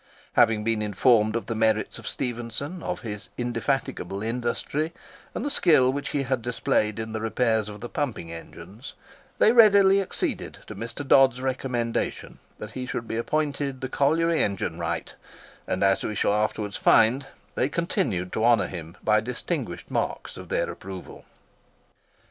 Having been informed of the merits of Stephenson, of his indefatigable industry, and the skill which he had displayed in the repairs of the pumping engines, they readily acceded to Mr. Dodds' recommendation that he should be appointed the colliery engine wright; and, as we shall afterwards find, they continued to honour him by distinguished marks of their approval.